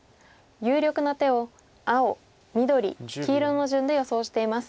有力な手を青緑黄色の順で予想しています。